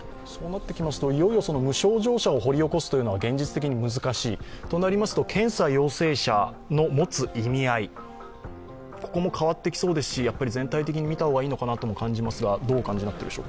いよいよ無症状者を掘り起こすというのは現実的に難しい、となりますと、検査陽性者の持つ意味合い、ここも変わってきそうですし全体的に見た方がいいような気もしますけど。